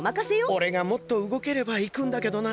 おれがもっとうごければいくんだけどな。